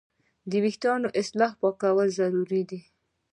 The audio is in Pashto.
د وېښتیانو صحیح پاکوالی ضروري دی.